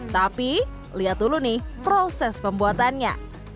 tapi lihat dulu nih proses pembuatannya